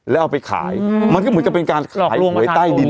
แล้วเอาไปขายมันก็เหมือนกับเป็นการล่วงหวยใต้ดิน